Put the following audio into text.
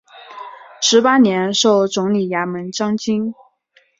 十八年授总理衙门章京。